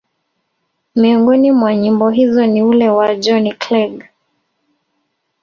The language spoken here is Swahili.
miongoni mwa nyimbo hizo ni ule wa Johnny Clegg